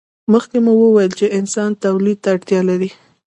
مخکې مو وویل چې انسانان تولید ته اړتیا لري.